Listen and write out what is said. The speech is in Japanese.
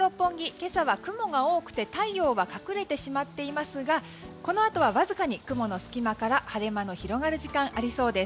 今朝は雲が多くて太陽が隠れてしまっていますがこの後はわずかに雲の隙間から晴れ間の広がる時間がありそうです。